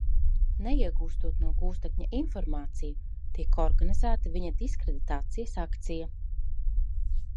Neiegūstot no gūstekņa informāciju, tiek organizēta viņa diskreditācijas akcija.